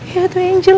ya tuh yang jeli